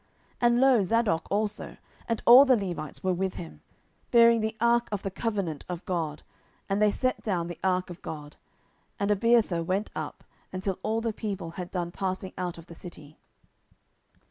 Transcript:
10:015:024 And lo Zadok also, and all the Levites were with him, bearing the ark of the covenant of God: and they set down the ark of God; and Abiathar went up, until all the people had done passing out of the city.